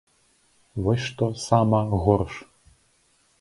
Вось што сама горш!